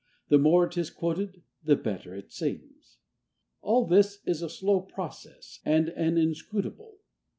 The more it is quoted, the better it seems. All this is a slow process and an inscrutable.